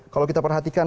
kalau kita perhatikan